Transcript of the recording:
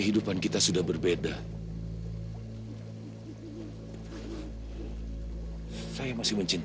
tidak aku mau beloved kamu masih lama sekarang